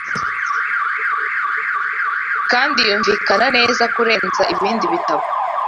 kandi yumvikana neza kurenza ibindi bitabo